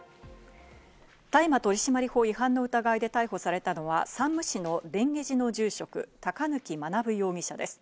大麻取締法違反の疑いで逮捕されたのは、山武市の蓮華寺の住職・高貫学容疑者です。